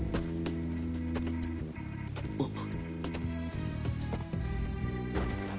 あっ。